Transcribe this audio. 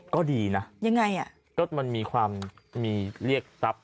ก็ดีนะยังไงอ่ะก็มันมีความมีเรียกทรัพย์